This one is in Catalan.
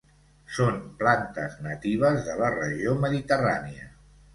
Són plantes natives de la regió mediterrània.